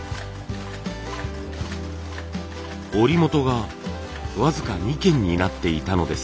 織元が僅か２軒になっていたのです。